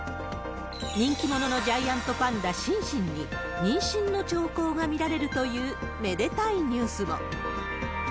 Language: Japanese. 人気者のジャイアントパンダ、シンシンに妊娠の兆候が見られるというめでたいニュースも。